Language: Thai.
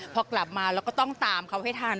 พอกลับมาเราก็ต้องตามเขาให้ทัน